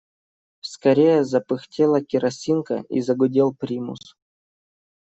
Вскоре запыхтела керосинка и загудел примус.